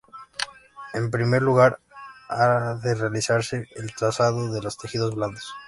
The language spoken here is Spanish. En primer lugar ha de realizarse el trazado de los tejidos blandos.